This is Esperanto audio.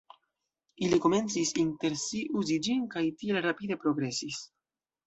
Ili komencis inter si uzi ĝin kaj tiel rapide progresis.